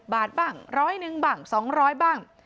๕๐บาทบังร้อยหนึ่งบังสองร้อยบัง